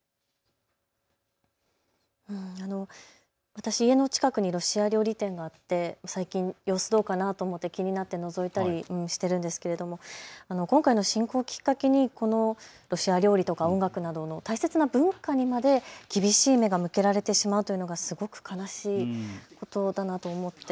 私、家の近くにロシア料理店があって、最近どうかなと気になってのぞいたりしてるんですけど今回の侵攻をきっかけにロシア料理とか音楽など大切な文化にまで厳しい目が向けられてしまうというのはすごく悲しいことだなと思って。